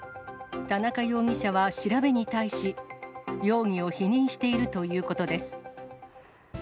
田中容疑者は調べに対し、容疑を否認しているということです。